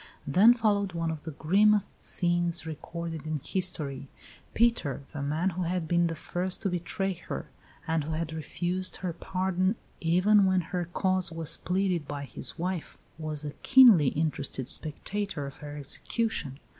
Then followed one of the grimmest scenes recorded in history. Peter, the man who had been the first to betray her, and who had refused her pardon even when her cause was pleaded by his wife, was a keenly interested spectator of her execution.